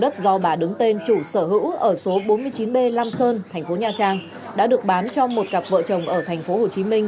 cho bà đứng tên chủ sở hữu ở số bốn mươi chín b lam sơn thành phố nha trang đã được bán cho một cặp vợ chồng ở thành phố hồ chí minh